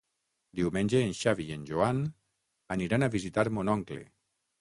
Diumenge en Xavi i en Joan aniran a visitar mon oncle.